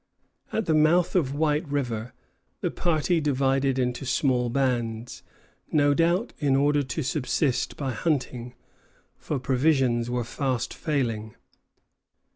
At the mouth of White River, the party divided into small bands, no doubt in order to subsist by hunting, for provisions were fast failing.